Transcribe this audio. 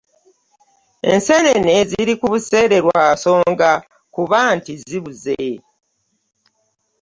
Enseneene ziri kubuseere lwa nsonga kuba nti zibuzze.